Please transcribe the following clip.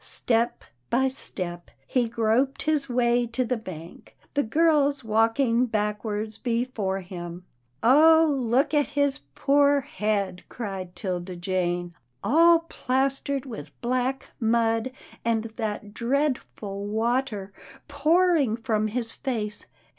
Step by step, he groped his way to the bank, the girls walking backward before him. " Oh ! look at his poor head," cried 'Tilda Jane, " all plastered with black mud, and that dreadful water pouring from his face.